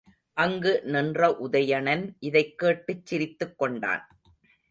அங்கு நின்ற உதயணன் இதைக் கேட்டுச் சிரித்துக் கொண்டான்.